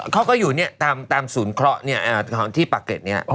เขาก็อยู่เนี่ยตามศูนย์เคราะห์ที่ปากเกร็ดเนี่ย